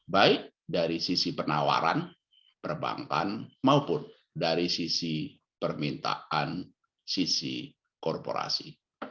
baik dari sisi penawaran perbankan maupun dari sisi permintaan sisi korporasi